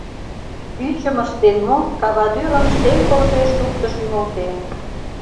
Ӱчым ыштен мо, кавадӱрым Шем пылже шуктыш ӱмылтен.